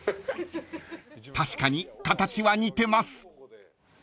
［確かに形は似てます］